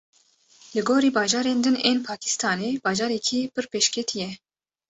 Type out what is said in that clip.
Li gorî bajarên din ên Pakistanê bajarekî pir pêşketî ye.